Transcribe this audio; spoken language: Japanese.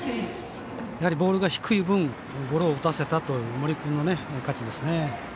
やはりボールが低い分ゴロを打たせた森君の勝ちですね。